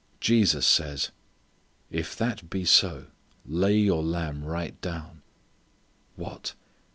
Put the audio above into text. Jesus says, "If that be so lay your lamb right down." What!